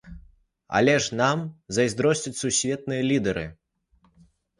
Але ж нам зайздросцяць сусветныя лідары.